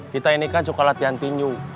kita ini kan coklat ganti new